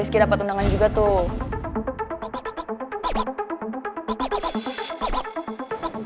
tuh si rizky dapet undangan juga tuh